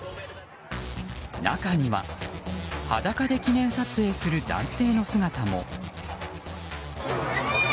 中には裸で記念撮影する男性の姿も。